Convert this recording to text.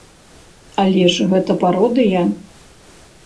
Але ж гэта пародыя!